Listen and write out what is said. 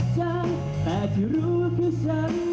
แค่เราได้พร้อมกันในวันนี้